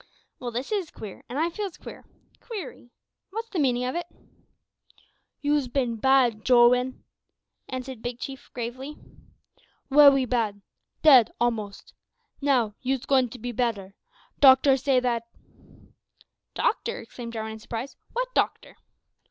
"Well, this is queer; an' I feels queer. Queery wots the meanin' of it?" asked Jarwin. "You's bin bad, Jowin," answered Big Chief, gravely, "wery bad. Dead a most. Now, you's goin' to be bedder. Doctor say that " "Doctor!" exclaimed Jarwin in surprise, "what doctor?"